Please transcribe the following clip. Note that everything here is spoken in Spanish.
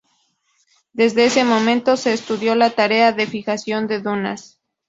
Desde ese momento se estudió la tarea de fijación de dunas.